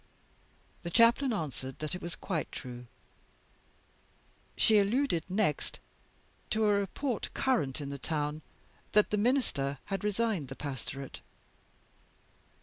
"The Chaplain answered that it was quite true. "She alluded next to a report, current in the town, that the Minister had resigned the pastorate.